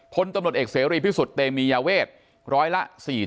พลตำรวจเอกเสรีพิสุทธิ์เตมียาเวทร้อยละ๔๐